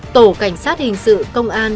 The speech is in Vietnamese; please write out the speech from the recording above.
tổ cảnh sát hình sự công an